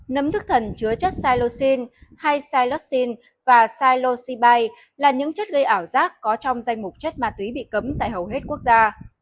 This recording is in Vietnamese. nấm thức thần chứa chất silosin hay cilosin và sailosibai là những chất gây ảo giác có trong danh mục chất ma túy bị cấm tại hầu hết quốc gia